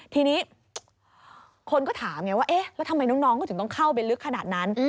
ทีนี้คนก็ถามไงว่าเอ๊ะแล้วทำไมน้องเขาถึงต้องเข้าไปลึกขนาดนั้น